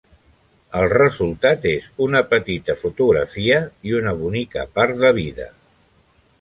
El resultat és una petita fotografia i una bonica part de vida.